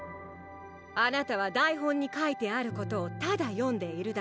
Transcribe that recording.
あなたは台本に書いてあることをただ読んでいるだけ。